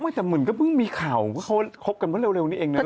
ไม่แต่เหมือนก็เพิ่งมีข่าวเขาครบกันป่ะเร็วนี่เองนึก